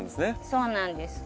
そうなんです。